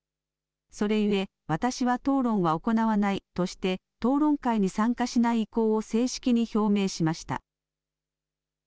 それゆえ私は討論は行わないとして討論会に参加しない意向を正式に表明しました。